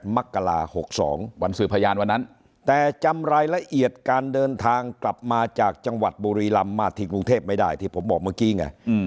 มักกรา๖๒วันสื่อพยานวันนั้นแต่จำรายละเอียดการเดินทางกลับมาจากจังหวัดบุรีลำมาที่กรุงเทพไม่ได้ที่ผมบอกเมื่อกี้ไง